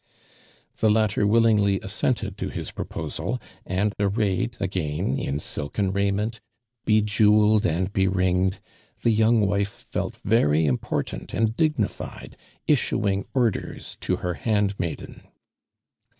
The lattei willingly ass(»nted to his propo sal, and arrayed again in silken nument, he jewelled and be i iuged, the young wifc^ felt very imi)ort; int and digiiitied, issuing ordei s to lior hund maiden.